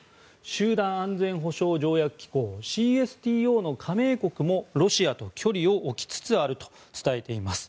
集団安全保障条約機構・ＣＳＴＯの加盟国もロシアと距離を置きつつあると伝えています。